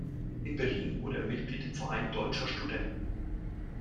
In Berlin wurde er Mitglied im Verein Deutscher Studenten.